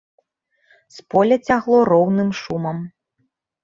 З поля цягло роўным шумам.